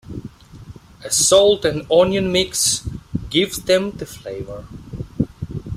A salt and onion mix gives them the flavor.